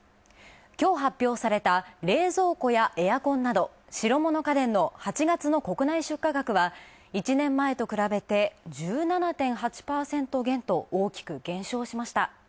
今日発表された冷蔵庫やエアコンなど白物家電の８月の国内出荷額は１年前と比べて１７．８％減と大きく減少しました。